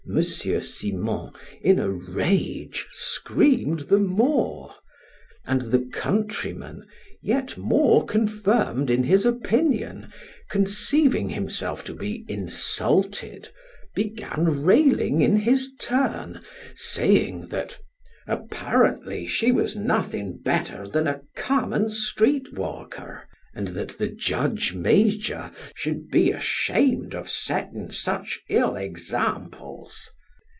Simon, in a rage, screamed the more; and the countryman, yet more confirmed in his opinion, conceiving himself to be insulted, began railing in his turn, saying that, "Apparently, she was nothing better than a common streetwalker, and that the judge major should be ashamed of setting such ill examples."